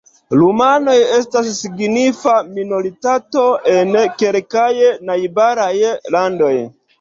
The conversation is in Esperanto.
Rumanoj estas signifa minoritato en kelkaj najbaraj landoj.